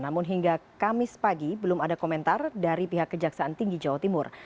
namun hingga kamis pagi belum ada komentar dari pihak kejaksaan tinggi jawa timur